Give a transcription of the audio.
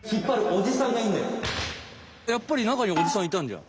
やっぱり中におじさんいたんじゃん。